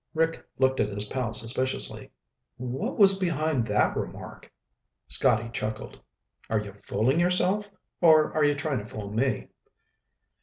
Rick looked at his pal suspiciously. "What was behind that remark?" Scotty chuckled. "Are you fooling yourself? Or are you trying to fool me?"